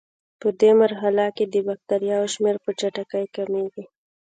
پدې مرحله کې د بکټریاوو شمېر په چټکۍ کمیږي.